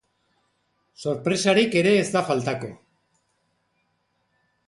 Sorpresarik ere ez da faltako.